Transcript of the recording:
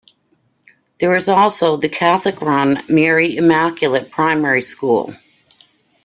There is also the Catholic run Mary Immaculate Primary School.